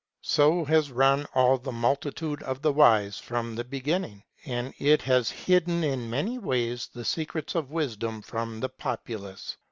So has run all the multitude of the wise from the beginning, and it has hidden in many ways the secrets of wisdom from the populace.